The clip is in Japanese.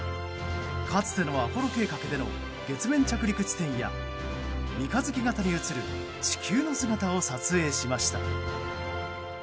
かつてのアポロ計画での月面着陸地点や三日月形に写る地球の姿を撮影しました。